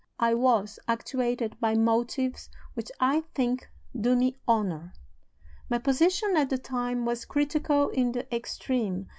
I was actuated by motives which I think do me honor. My position at the time was critical in the extreme.